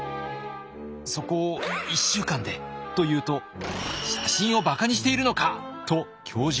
「そこを１週間で」と言うと「写真を馬鹿にしているのか！」と教授はカンカン。